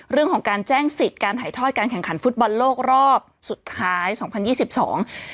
เรื่องของการแจ้งสิทธิ์การถ่ายทอดการแข่งขันฟุตบอลโลกรอบสุดท้ายสองพันยี่สิบสอง